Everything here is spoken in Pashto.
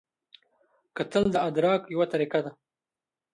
کتل د ادراک یوه طریقه ده